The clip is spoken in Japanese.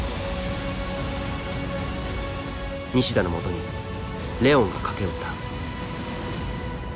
西田のもとにレオンが駆け寄った。